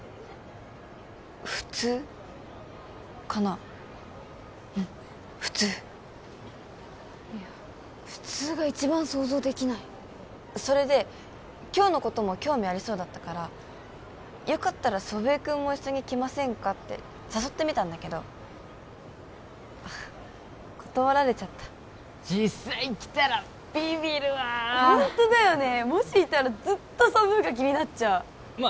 普通かなうん普通いや普通が一番想像できないそれで今日のことも興味ありそうだったからよかったら祖父江君も一緒に来ませんかって誘ってみたんだけど断られちゃった実際来たらビビるわホントだよねもしいたらずっとソブーが気になっちゃうまあ